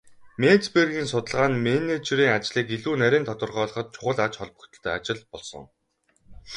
Менцбергийн судалгаа нь менежерийн ажлыг илүү нарийн тодорхойлоход чухал ач холбогдолтой ажил болсон.